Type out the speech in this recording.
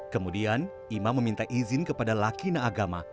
kemudian imam meminta izin kepada lakina agama